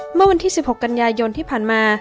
เมื่อวันที่๑๖กันยายนที่ผ่านมา